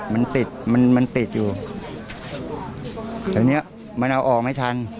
มันติดมันมันติดอยู่แต่เนี้ยมันเอาออกไม่ทัน